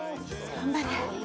頑張れ。